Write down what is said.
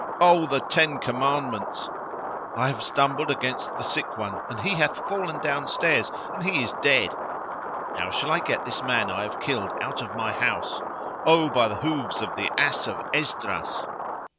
O the Ten Commandments! I have stumbled against the sick one and he hath fallen downstairs and he is dead! How shall I get this man I have killed out of my house? O by the hoofs of the ass of Esdras!"